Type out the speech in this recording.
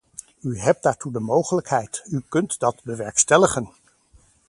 U hebt daartoe de mogelijkheid, u kunt dat bewerkstelligen!